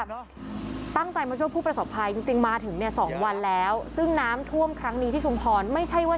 ตั้งใจมาช่วยผู้ประสบภัยจริงจริงมาถึงเนี่ยสองวันแล้วซึ่งน้ำท่วมครั้งนี้ที่ชุมพรไม่ใช่ว่า